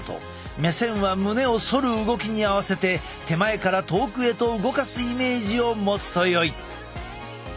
目線は胸を反る動きに合わせて手前から遠くへと動かすイメージを持つとよい。